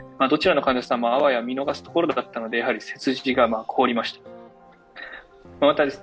どちらの患者さんも、あわや見逃すところだったので、背筋が凍りました。